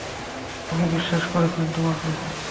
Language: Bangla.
উনি বিশ্বাস করেছেন তোমাকে।